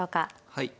はい。